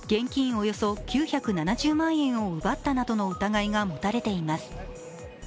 およそ９７０万円を奪ったなどの疑いが持たれています。